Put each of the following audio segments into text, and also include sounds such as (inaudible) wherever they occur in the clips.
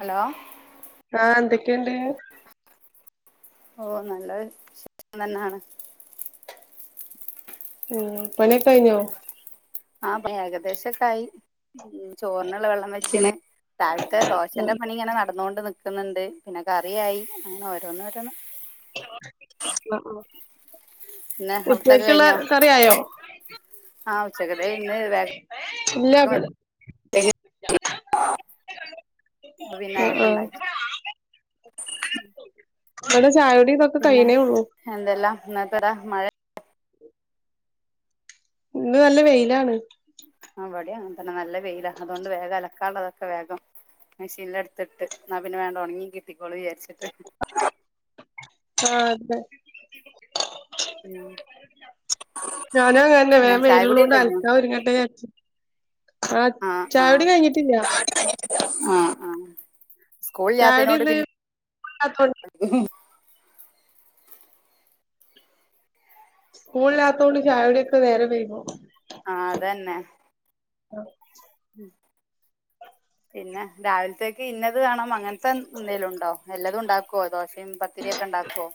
Hello. ആഹ് ന്തൊക്കെണ്ട്. ഓ നല്ലത് സുഖംതന്നാണ്. ഉം പണ്യൊക്കയ്ഞ്ഞോ. ആഹ് പണി ഏകദേശൊക്കായി. ഉം ചോർനുള്ള വെള്ളം വെച്ചിണ് രാവിൽത്തെ ദോശന്റെ ആഹ് പണിങ്ങനെ നട്ന്നോണ്ട് ന ക്ക്ന്ന്ണ്ട് പിന്നെ കറിയായി അങ്ങനെ ഓരോന്നോരോന്ന്. ഹലോ അആ ഉച്ചയ്ക്ക്ള്ള കറി ആയോ. ആവ്. ചകതെ ഇന്ന് വേഗ (inaudible) ഇല്ല ഇവിടെ അ പിന്നെ നേര്ത്തണ്ടായ്റ്റ്. അടെ ചായുടി തക് പിന്നെ എന്തെല്ലാം ഇന്നത്തട മഴ. ഇന്ന് നല്ല വെയ്ലാണ്. ആ വടി അങ്ങൻതന്നെ നല്ല വെയിലാ അതുകൊണ്ട് വേഗല ക്കാൻള്ളതൊക്കെ വേഗം മെഷീൻലെട്ത്ത്ട്ട് ന്നാ പിന്ന വേം ണ്ടൊൺങ്ങി കിട്ടിക്കോളു ചാരിച്ച് ആഹ് തെ (inaudible) ഞാനു അങ്ങനന്നെ പിന്നെ വേം ചായ കുടി മെയിലുള്ളോണ്ട് കഴിഞ്ഞോ അൽക്കാ ഒരുങ്ങട്ടെ യാര്ച്ച് ആഹ് ചായൊടി കയിഞ്ഞിറ്റില്ല ആഹ് ആ സ്കൂൾ ചായകുടി ല്ല്യാത്തനോണ്ട് ഇന്ന് പിന്നെ (inaudible) സ്കൂളില്ലാത്തോണ്ട് സ്കൂൾല്ലാത്തോണ്ട് ചായൊടി ഒക്ക നേരം വൈകു ആഹ് അതെന്നെ ഉ പിന്നെ രാവിൽത്തേക്കിന്നത് വേണം അങ്ങൻത്ത ന്തേലുണ്ടോ? എല്ലതും ണ്ടാക്കോ? ദോശെ എൻ പത്തിരിയൊക്ക ണ്ടാക്കോ?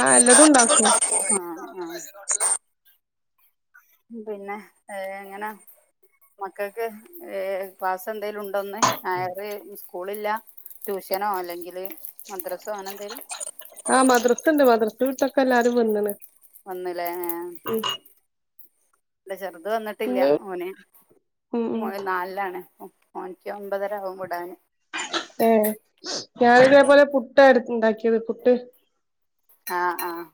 ആഹ് എല്ലതു ണ്ടാക്കു ആഹ് ആഹ് പിന്നെ ഏ എങ്ങനാ മക്കക്ക് ഏ പാസന്തെലും ൺ ഒന്ന് ആയറ് സ്കൂളില്ല ട്യൂഷനോ അല്ലെങ്കില് മദ്രസോ അനെന്തേലു ആഹ് മദ്‌റസ്ണ്ട് മദ്‌റസ് വ്ട്ടൊക്കെല്ലാരും വന്ന്ണ് വന്ന്ല്ലേ ഏ ആഹ് ഉം ന്റ ചെറ്ത് വന്നിട്ടില്ല ഇന്ന് ഓനെ ഉം ഉം മോന് നാല്ലാണ് ഒ ഓനിക്ക് ഒമ്പതരാകും വ്ടാന് ഏഹ് ഞാന് ത് വേ പോലെ പുട്ടാട് ണ്ടാക്ക്യത് പുട്ട് ആ ആഹ്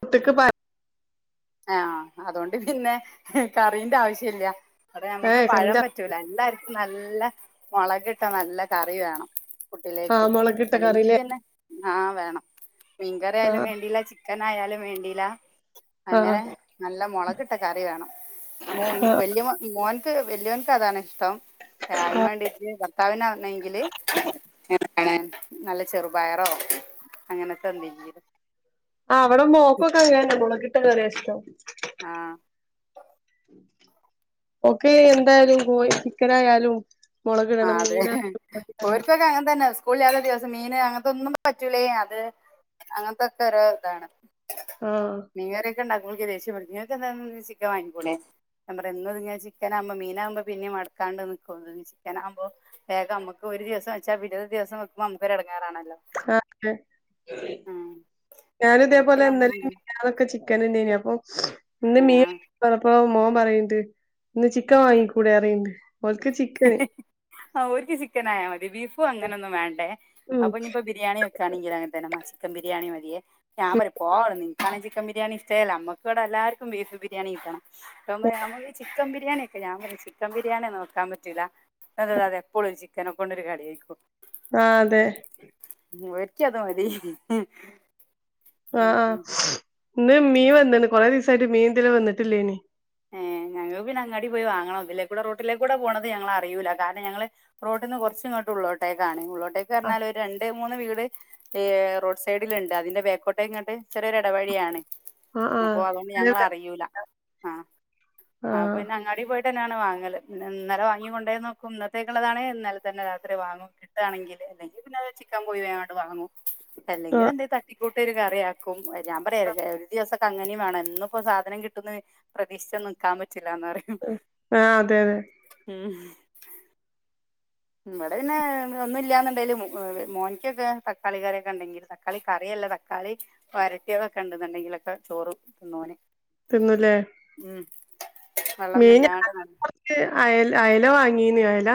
പുട്ട്ക്ക് പാ എആഹ് അതൊണ്ട് പിന്നെ ഹെ കറീന്റാവശ്യല്ല വടെ ഞമ്മക്ക് ഏഹ് പഴം കറിന്റെ പ റ്റൂല എല്ലാര്ക്കും നല്ല മൊളകിട്ട നല്ല കറി വേണം ആഹ് പുട്ടിലേക്ക് മുളകിട്ട അല്ലെങ്കി കറില്ലേ പിന്നെ ആ വേണം മീങ്കറി ആയാലും ആഹ് വേണ്ടീല ചിക് ക്കനായാലും വേണ്ടീല ആഹ് അങ്ങനെ നല്ല മൊളകിട്ട കറി വേണം മോ ആഹ് വല്ല്യ മൊ മോൻ ക്ക്‌ വല്ല്യോൻക്കതാണ്ഷ്ടം അയ്ന് വേണ്ടിട്ട് ഭർത്താവിനാണെങ്കില് (inaudible) ആണ് നല്ല ചെറുബയറോ അങ്ങനത്തെന്തെങ്കിലു ആഹ് വട മോക്കൊക്കങ്ങന മൊളകിട്ട കറിയാഷ്ടം ആഹ് ഓക്ക് ന്തായാലും കോയി ചിക്കനായാലു ആഹ് അതെ ഓര്ക്കൊക്കെ അങ്ങൻ തന്നെ സ് കൂൾലാത ദിവസം മീന് അങ്ങനത്തൊന്നും പറ്റൂലായ്നു അത് അങ്ങൻത്തൊക്കൊര് താണ് ആഹ് മീങ്കറിയൊക്ക ണ്ടാക്കുമ്പൾക്ക് ദേഷ്യം പിടിക്കു ങ്ങക്ക് ന്താ ന് ചിക്കം വാങ്ങിക്കൂടെ ഞാം പറയ എന്നുത്ങ്ങന ചിക്കനാമ്പം മീനാമ്പ പിന്നെം മട്ക്കാണ്ട് ന്ക്കു (unintelligible) ക്കനാമ്പൊ വേഗമ്മക്കൊരു ദിവസ വച്ചാ പിന്നൊരു ദിവസം വക്കുമ മ്മക്കൊരെ ടങ്ങാറാണല്ലോ (unintelligible) ഞാനുതേപോലെ ഓർക്കിന് (unintelligible) അങ്ങനെ ഒന്നും (unintelligible) ചിക്കന്ണ്ടെയ്നി അപ്പൊ ന്ന് മീ ആ (unintelligible) പൊ മോം പറീംണ്ട് ന്ന് ചിക്കം വാങ്ങിക്കൂടെഅറീണ്ട് ഓൽക്ക് ചിക്കന് ആഹ് ഓൽക്ക് ചിക്കനായാ മതി ബീഫു അങ്ങനൊന്നും വേണ്ടെ ഉം അപ്പഞ്ഞി പ്പ ബിരിയാണി ക്കാണെങ്കിലങ്ങൻതെന്ന മ്മ ചിക്കെൻ ബിരിയാണി മതിയെ ഞാം പറിപോവട്ന്ന് ൻക്കാണെ ചിക്കം ബിരിയാണിഷ്ടേല്ലമ്മ വടെല്ലാര്ക്കും ബീഫ്ബിരിയാണി കിട്ടണം (unintelligible) ഞമ്മക്ക് ചിക്കം ബിരിയാണി ഞാൻ പറയും ചിക്കൻ ബിരിയാണിയൊന്നും വെക്കാം പറ്റൂല (unintelligible) എപ്പഴൊരുചിക്കനക്കൊണ്ടൊരു കളിയാരിക്കു ആഹ് തെ. ഇവര്ക്ക്യത് മതി അ ഉം ആഹ് ഉം ന്ന് മീ വന്ന്ണ് കൊറെേ ദിവസായിട്ട് മീൻതിലെ വന്നിട്ടില്ലേനി ഏഹ് ഞങ്ങക് പിന്നങ്ങാടി പോയിവാങ്ങണം തിലേകൂടെ റോട്ടിലേ കൂടെ പോണത് ഞങ്ങളറിയൂല കാരണം ഞങ്ങള് റോട്ന്ന് കൊർച്ച്ങ്ങോട്ടു ള്ളോട്ടേക്കാണ് ഉള്ളോട്ടേക്ക് അർഞ്ഞാൽ ഒര് രണ്ട് മൂന്ന് വീട്ഏ റോഡ് സൈഡില്ണ്ട് അതിന്റെ ബേക്കോട്ടേങ്ങട്ട് ചെറിയൊരെട വഴിയാണ് ആഹ് ആഹ് അപ്പോ ആഹ് അതോണ്ട് അതെ ഞങ്ങൾഅറിയൂല. (inaudible) ആപ്പോ പിന്നെ അങ്ങാടി പോയിട്ട്ന്നെയാണ് വാങ്ങല് പിന്നെ ഇന്നലെവാങ്ങികൊണ്ടോയ് നോക്കും ഇന്നത്തേക്ള്ളതാണേ ഇന്നലെതെന്നെ രാത്രിവാങ്ങും. കിട്ടുകണെങ്കിൽ അല്ലെങ്കിൽ പിന്നെത് ചിക്കെൻ പോയി വേങ്ങട് വാങ്ങും. അല്ലെങ്കിൽ ആഹ് എന്തെങ്കിലും തട്ടിക്കൂട്ട്ഒര് കറിയാക്കും ഞാൻപറയാ ഒര്ദിവസം അങ്ങനിംവാണം എന്നുപ്പോ സാധനം കിട്ടുന്ന് പ്രതീക്ഷിച്ച്നിക്കാൻ പറ്റൂല്ലാന്ന്പറിം. ഹ് ആഹ് അതെ, അതെ ഉംഹ് ഇടെപിന്നെ... ഒന്നുഇല്ലന്നുണ്ടെങ്കിലും മോനിക്കൊക്കെ തക്കാളികറിയൊക്കെ ഇണ്ടെങ്കിൽ തക്കാളികറിയല്ലത ക്കാളി വരട്ടിയാതൊ ക്കെ ഇണ്ട്ന്ന്ണ്ടെ ങ്കിലൊക്കെ ചോറും തിന്നോന് തിന്നുല്ലേ? ഉം വെള്ളൊന്നുല്ലാണ്ട് ന്ന ജ് അയല അയലവാങ്ങീനി അയല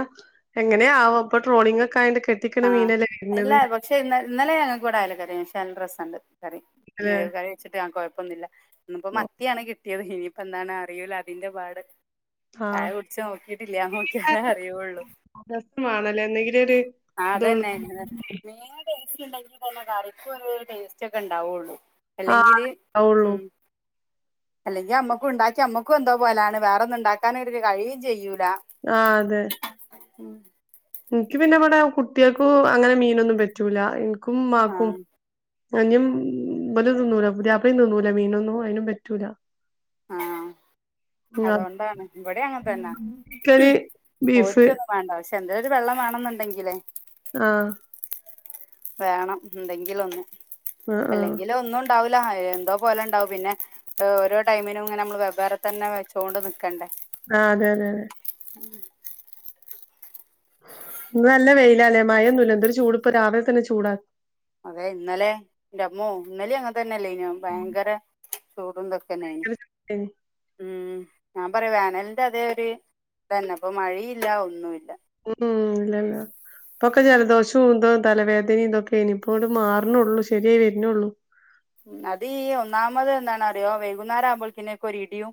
എങ്ങനെയാവോ പ്പൊട്രോളിങ്ങൊ ക്കെ ആയൊണ്ട് കെ ട്ടിക്കണ ആഹ് അല്ല മീനല്ലേവര്ണെത്. പക്ഷെ ഇന്ന ഇന്നലെഞങ്ങൾക്ക് ഇവടെഅയലകറി പക്ഷെന്നല്ലേ രെസെണ്ട് കറി ല്ലേ കറിവെച്ചിട്ട്ആ കുയപ്പൊന്നില്ല. ഇന്നിപ്പോ മത്തിയാണ്കിട്ടിയത് ഇനിയിപ്പോ എന്താണ് അറിയൂല അതിന്റെപാട് ആഹ് ചായകുടിച്ച് നോക്കിട്ടില്ലഅത് നോക്കിയാലേ അറിയൊള്ളൂ. ദെവസം വേണല്ലേ എന്നെങ്കിലൊര് ആഹ് അതെന്നെ (unintelligible) മീ ടൊസ്റ്റിൽ ഉണ്ടങ്കിൽ തന്നെ കറിക്കും അങ്ങനൊരു ടേസ്റ്റ് ഒക്കെ ഉണ്ടാവുള്ളു അല്ലെങ്കില് ആഹ് ആവൊള്ളൂ ഉം അല്ലെങ്കി അമ്മക്കുണ്ടാക്കി അമ്മക്കും എന്തോപോലാണ് വേറൊന്നും ഇണ്ടാക്കാനവര്ക്ക് കഴിയും ചെയ്യൂല. ആഹ് അതെ. ഉം ഇൻക്ക് പിന്നെഇവടെ കുട്ട്യാക്കു അങ്ങനെമീനൊന്നുംപറ്റൂല ഇൻക്കും ആ ഇമാക്കും. അഹ് ഞ്ഞുംഇബലുംതിന്നൂല പുതിയാപ്ലിം തിന്നൂലമീനൊന്നും അതിനുംപറ്റൂല. ആ ഞാ അതുകൊണ്ടാണ് ഇവിടെ അങ്ങനെ തന്നെ ക്കെന്, ബീഫ് ഓർക്കൊന്നും വേണ്ട പക്ഷെഎന്തേലു ഒരു വെള്ളം വാണന്നുണ്ടെങ്കിലെയ് ആഹ് വേണം എന്തെങ്കിലൊന്ന് ആഹ് ആഹ് അല്ലെങ്കില് ഒന്നുഉണ്ടാവൂല എന്തോപോലെ ഉണ്ടാവും പിന്നെ ഏഹ് ഓരോടൈമിനും ഇങ്ങനെനമ്മൾ വെവ്വേറെതന്നെ വെച്ചോണ്ട് നിക്കണ്ടേ. ആഹ് അതെ, അതെ, അതെ ഊമ് ഇന്ന് ന്ല്ലെവെയിലലേ മഴൊന്നുല്ല എന്തൊരുചൂട് ഇപ്പരാവിലെതെന്നെ ചൂടാ. അതെ ഇന്നലെ ന്റമ്മോഇന്നലേ അങ്ങൻതെന്നെയല്ലയ്നോ ഭയങ്കര ചൂടുംതൊക്കെന്നെ യ്നി ഭയങ്കര ചൂടേനി. ഉം ഞാൻപറയാ വേനലിന്റെ അതേഒര് ഇതെന്നെ ഇപ്പൊ മഴയില്ലഒന്നുല്ല. ഉ ഉം ഇല്ലല്ല. ഇപ്പൊക്കെ ജലദോഷവുംഇതോ തലവേദനിം ഇതൊക്കെയ്നി പ്പോണ് ട്ട് ട്ട്മാറ്ണൊള്ളൂ ശെരിയാവെര്നൊള്ളൂ. ഉം അത് ഈഒന്നാമത് എന്താണറിയോ വൈകുന്നേരം ആവുപോൾക്കിനുക്കെ ഇടിയും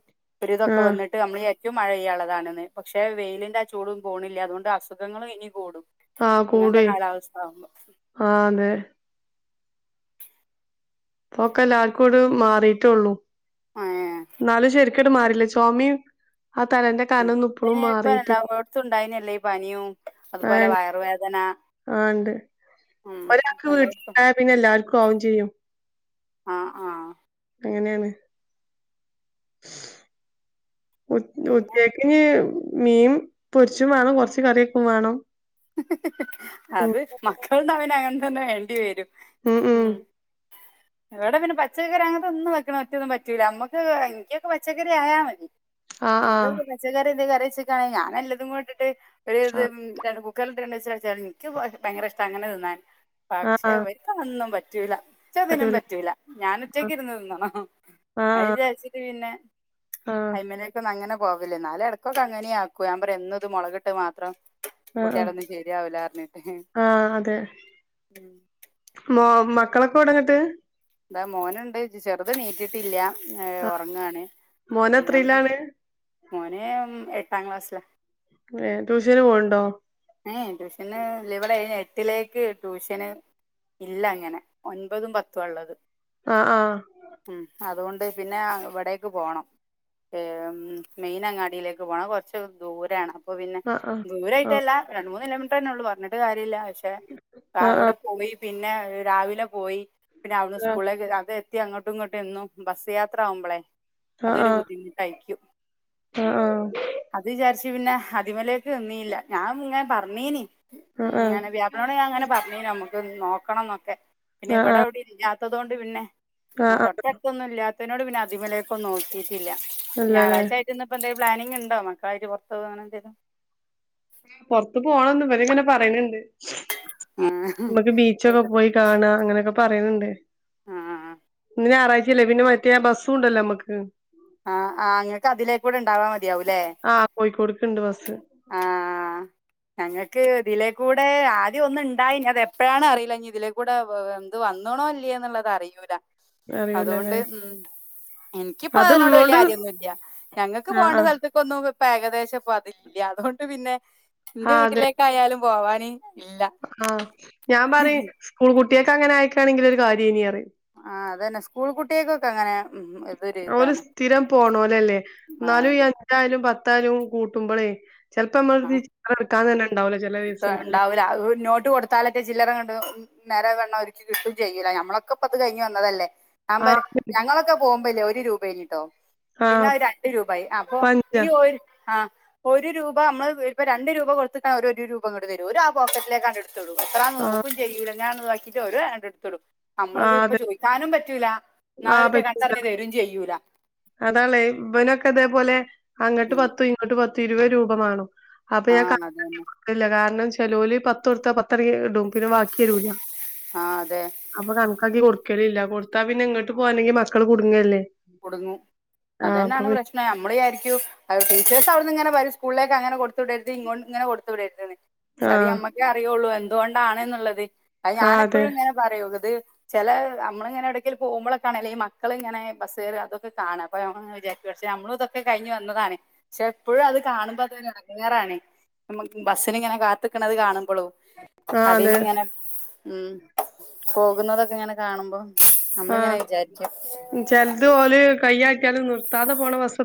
ആഹ് ഒരുവിതൊക്കെവെന്ന് ട്ട് ന്നമ്മൾ ഈഏറ്റവും മഴയ്യാനുള്ളതാണെന്ന് പക്ഷെ വെയിലിന്റെ ആചൂടും പോണില്ല അതോണ്ട് അസുഖങ്ങളും ഇനികൂടും. ആഹ കൂടുയ് ആ അതെ പൊക്കെ എല്ലാർക്കും ങ്ങട് മാറിട്ടള്ളൂ എന്നാലും ശ ട് മാറില്ല ചൊമീം ആ തലന്റെ കനംഒന്നും ഇപ്പഴും മാറിട്ട് ഇല്ല ത്തും ഉണ്ടായിനല്ലോ ഈ പനിയും അതുപോലെ ആഹ് വയറ് വേദന ആഹ് ഇണ്ട് ഒരാൾക്ക് വീട്ടിലണ്ടായ പിന്നെ എല്ലാവർക്കും ആവും ചെയ്യും ആഹ് ആഹ് അങ്ങനെയാണ് (unintelligible) പിന്നെ ഇ മീമ് പൊരിച്ചും വേണം കൊറച്ച് കറിയൊക്കെ വേണം ഹ് ഹ് ഹ് ഹ് ഉം അത് മക്കൾ ന്ന വന് അങ്ങനെ തന്നെ വേണ്ടി വരും ഉം (inaudible) എവിടെ പിന്നെ പച്ചക്കറി അങ്ങനത്തെ ഒന്നും വെക്കണം ഒറ്റൊന്നും പറ്റൂല നമ്മുക്ക് എനിക്കൊക്കെ പച്ചക്കറി ആയാ മതി ആഹ് എന്ത (unintelligible) പച്ചക്കറി എന്തേ കറി വെച്ചക്കാണോ ഞാൻഎല്ലതും കൊട്ടിട്ട് ഒരു ത് ആഹ് (unintelligible) കുക്കർല്ട്ട്ക്കാണ്ട് (unintelligible) ഇൻക്ക് ഭയര ഇഷ്ട അങ്ങനെ തിന്നാൻ. ആഹ് ആഹ് പക്ഷെ ആഹ് ഇവർക്ക് അതൊന്നും പറ്റൂല. ഇച്ചതിനും പറ്റൂല പറ്റൂല്ല. ഞാന ഒറ്റയ്ക്കിരുന്ന് തിന്നണം. ആഹ് ആഹ് അയിചാരിച്ചിട്ട് പിന്നെ ആഹ് അയ്മന് പ്പം അങ്ങനെ പോവല്ലേ, ന്നാലെ ടക്കൊക്കെ അങ്ങനിം ആക്കും. ഞാൻ പറയ്, എന്നുത് മൊളകിട്ടത് മാത്രം ആഹ് കൂട്ടിയാലൊന്നും ശരിയാവൂലാ പറഞ്ഞിട്ട് അ ആഹ് അതെ ഉം മൊ മക്കളൊക്കെ എവ്ടങ്ങട്ട്? ഇതാ മോന്ണ്ട്. ന്റെ ചെറുത് നീച്ചിട്ടില്ല. ഏഹ് ആഹ് ഒറങ്ങാണ്. പിന്നെ (unintelligible) മോനെത്രീലാണ് മോന് ഉം എട്ടാം ക്ലാസ്സില. ഏഹ് ട്യൂഷന് പോവ്ണ്ടോ? ഏഹ്, യ് ട്യൂഷൻന്ന്ല ഇവിടെ അയ്ന് എട്ടിലേക്ക് ട്യൂഷന് ഇല്ല അങ്ങനെ, ഒൻപതും പത്തുവാള്ളത്. ആഹ് ആഹ് ഉം, അതുകൊണ്ട് പിന്നെ ഇവിടേക്ക് പോണം. ഏഹ് ഉം മെയിൻ അങ്ങാടിയിലേക്ക് പോണ. അത് കൊറച്ച് ദൂരാണ്. അപ്പ പിന്നെ, ആഹ് ദൂരായിട്ടല്ല. രണ്ട് മൂന്ന് കിലോമീറ്റർ തന്നെ ഉള്ളൂ. പറഞ്ഞിട്ട് കാര്യല്ല പക്ഷേ ആഹ് അവ്ടെ ആഹ് പോയി പിന്നെ രാവിലെ പോയി പിന്നെ അവിട്ന്ന് സ്കൂളിലേക്ക് അത് ത്തി അങ്ങട്ടും ഇങ്ങട്ടും എന്നും ബസ്സ് യാത്ര ആവുമ്പളെ ആഹ് ആഹ് ആഹ് അതൊരു ബുദ്ധിമുട്ടായിരിക്കും. ആഹ് ആഹ് ആഹ് അത് വിചാരിച്ച് പിന്നെ അതിമലേക്ക് നിന്നീല്ല. ഞാൻ ഇങ്ങെ പറഞ്ഞീനി. ഉം, ആഹ് ങ്ങനെ വ്യാ അതോണ്ട് ഞാൻ ഇങ്ങനെ പറഞ്ഞീനി നമ്മക്ക് നോക്കണംന്നൊക്കെ. പിന്നെ ആഹ് ഇവിടെ എവിടിം ഇല്ലാത്തതൊണ്ട് പിന്നെ, ആഹ് മ്മളെ ആഹ് തൊട്ടട്ത്തൊന്നും ഇല്ലാത്തതിനോട് പിന്നെ അതിമ്മലേക്കൊന്നും നോക്കിട്ടില്ല. ഇല്ലല്ലേ ഞായറാഴ്ച്ചായിട്ട് ഇന്ന്പ്പോ എന്തേലും പ്ലാനിങ് ഇണ്ടോ മക്കളായിട്ട് പൊറത്ത് പോവാനെന്തലും? പൊറത്ത് പോണംന്ന് ഇബല്ങ്ങനെ പറയിന്ണ്ട്. മ്മക്ക് ബീച്ചൊക്കെ പോയി കാണ്അ അങ്ങനെയൊക്കെ പറയ്ന്ണ്ട്. ഇന്ന് ഞായറാഴ്ച്ചല്ലേ പിന്നെ റ്റേ ബസ്സും ഉണ്ടല്ലോ നമ്മക്ക്. ആഹ് ആ, ഇങ്ങട്ട് അതിലേക്കൂടെ ഉണ്ടാവാ മതിയാവുംല്ലേ ആഹ് കോഴിക്കോട്ക്ക്ണ്ട് ബസ്സ് ഞങ്ങൾക്ക് ഇതിലേക്കൂടെ ആദ്യം ഒന്ന് ഇണ്ടായിനി അത് എപ്പഴാണ് അറിയില്ല ഇനി ഇതിലേക്കൂടെ (unintelligible) ഇത് വന്ന്ണോ ഇല്ലയോ എന്നുള്ളത് അറിയൂല. അതുകൊണ്ട് അറിയൂലല്ലേ ഉം ഇൻക് പ്പൊ അതിനോട് വല്ല്യ അത്ള്ളോണ്ട് കാര്യൊന്നും ഇല്ല. ഞങ്ങൾക്ക് ആഹ് പോകണ്ട ആഹ് സ്ഥലത്ത് ഇപ്പൊന്നും ഇപ്പ ഏകദേശംപ്പ അതില്ല. അതുകൊണ്ട് പിന്നെ ഇന്റെ ആഹ് അതെ വീട്ടിലേക്കായാലും പോവാന് ഇല്ല ആഹ്, ഞാൻ പറിം സ്കൂൾ കുട്ടിയക്ക് അങ്ങനെ ആയക്കാണെങ്കില് ഒരു കാര്യം ഇനി അറിം. ആഹ് അതന്നെ, സ്കൂൾ കുട്ടിയൾക്കൊക്കെ അങ്ങനെ ഇതൊരു ഓല് ഇതാണ് സ്ഥിരം പോണോലല്ലേ ആഹ് ന്നാലും ഈ അത് അഞ്ചായാലും പത്തായാലും കൂട്ടുമ്പളേ ചെലപ്പമ്മളട്ത്ത് ആഹ് ഇര് ഇട്ക്കാതന്നെ ഇണ്ടാവുല്ല ചെലേ ദിവസങ്ങളില്. ല അതുകൊ നോട്ട് കൊടു താലത്തെ ചില്ലറ കൊണ്ട് നി നേരെ വെണ്ണം ഒരിക്കി കിട്ടും ചെയ്ല്ല. നമ്മളൊക്കെ ഇപ്പ അത് കഴിഞ്ഞ് വന്നതല്ലേ. ആമ്പറ, ആഹ് ഞങ്ങളൊക്കെ പോകുമ്പല്ലേ ഒരു രൂപേനിട്ടോ. പിന്നെ ആഹ് അത് രണ്ട് രൂപായി. അപ്പൊ ഇപ്പ ഈ അഞ്ചാ ഒരു ആ ഒരു രൂ ഇപ്പ നമ്മള് ഇപ്പൊ രണ്ട് രൂപ കൊടുത്തിട്ട ഒരു ഒരു രൂപ ഇങ്ങട്ട് തരും. ഒര് ആ പോക്കറ്റിലേക്കാണ്ട്ട്ത്ത്ടും. എത്രാന്ന് ആഹ് നോക്കുൽ ചെയ്യൂല്ല. ഞാ (unintelligible) ഇട്ത്ത്ടും. നമ്മളിത് ആഹ് ഇപ്പൊ അതെ ചോദിക്കാനും പറ്റൂല. ഇന്നാലറ്റ കണ്ടറിഞ്ഞ് തരും ചെയ്യൂല. അതാള്ളേ, ഇവനൊക്കെ ഇതേപോലെ അങ്ങട്ട് ഉം പത്തും ഇങ്ങട്ട് പത്തും ഇരുപത് രൂപ മാണം അപ്പൊ ഞാൻ ആഹ് കണക്കാക്കി അതന്നെ കൊട്ക്കല്‌ല്ല. കാരണം ചെലോല് പത്ത് കൊടുത്ത പത്തിണി ഇടും പിന്നെ ബാക്കിയരൂല. ആഹ് അതെ അപ്പൊ കണക്കാക്കി കൊടുക്കല്‌ല്ല. കൊടുത്താ പിന്നെ ഇങ്ങട്ട് പോരണങ്കി മക്കള് കുടുങ്ങല്ലേ. കുടുങ്ങും. ആഹ് അപ്പൊ അതന്നെണ് പി പ്രശ് നമ്മള് വിചാരിക്കും അ ടീച്ചേഴ്സവിടുന്ന്ങ്ങനെ പറിം സ്കൂളിലേക്ക അങ്ങനെ കൊടുത്ത്‌വിടരുത് ഇൻങ്ങോ ഇങ്ങനെ കൊടുത്ത് വിടരുത്‌ന്ന് ക്ഷത്‌ ആഹ് ഞമ്മക്കേ അറിയുള്ളു എന്തുകൊണ്ടാണ്ന്നുള്ളത്. അത് ഞാന ആഹ് അതെ എപ്പഴും ഇങ്ങന പറയും, ഇന്നട്ട് ചെല അമ്മളി ങ്ങനെ എവടക്കൽ പോകുമ്പോളൊക്കെണല്ലേ ഈ മക്കള ഇങ്ങനെ ബസ്റി അതൊക്കെ കാണാം അപ്പൊ വിചാരിക്കും നമ്മള് ഇതൊക്കെ കഴിഞ്ഞ് വന്നതണ് പക്ഷെ എപ്പോഴും അത് കാണുമ്പോ അതൊര് എടങ്ങാറാണ് നമ്മ ബസ്സിന് ഇങ്ങനെ കാത്തിക്കണത് കാണുമ്പോളും ആഹ് അതെ അതിലിങ്ങനെ ഉം പോകുന്നതൊക്കെ ഇങ്ങനെ കാണുമ്പോ ആഹ് ചെലത് ഓല് കയറ്റിയാലും നിർത്താതെ പോണ ബസ്സ്‌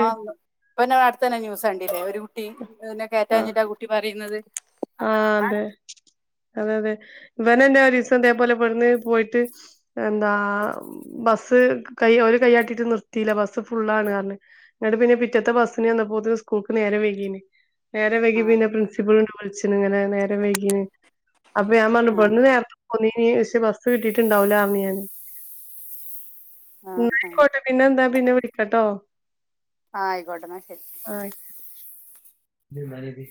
ആന്ന് ഇപ്പല്ല കാലത്തെന്നെ ന്യൂസ് കണ്ടീല്ലേ ഒരു കുട്ടി നെ ആഹ് കയറ്റാന്നിട്ട് ആ കുട്ടി കുട്ടി പറയുന്നത് ആഹ് അതെ അതെ അതെ ഇവനെന്നെ ഒരിസം ഇതേ പോലെ ഇബ്ടുന്നു പോയിട്ട് എന്താ ബസ് കൈ ഓല് കയ്യട്ടിട്ട് നിർത്തിയില്ല ബസ് ഫുള്ളാണ് പറഞ്ഞ് എന്നട്ട് പിന്നെ പിറ്റത്തെ ബസ്സിന് ചെന്നപ്പോത്തിന് സ്കൂൾക്ക് നേരെ വൈകിന് നേരെ ആ വൈകിന്നെ അത് പ് പ്രിൻസിപ്പൽ ഇണ്ട് വിളിച്ചണ് ഇങ്ങനെ നേരെ വൈകീ അപ്പൊ ഞാൻ പറഞ്ഞു ആ ഇബടെന്ന് നെ പൊന്നിന് പക്ഷെ ബസ് കിട്ടിയിട്ടുണ്ടാവൂല പറഞ്ഞ് ഞാന് ആ ആ എന്നായിക്കോട്ടെ പിന്നെ എന്താ പിന്നെ വിളിക്കാട്ടോ ഗോൾഡ് മറ്റേയി ഓയി